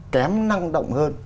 kém năng động hơn